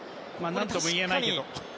何とも言えないけど。